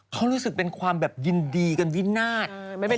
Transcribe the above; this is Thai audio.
เขารู้สึกเป็นความแบบยินดีกันวินาท